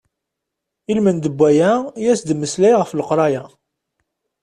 Ilmend n waya i as-d-mmeslay ɣef leqraya.